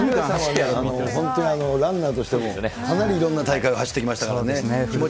本当にランナーとしてもかなりいろんな大会を走ってきましたからね。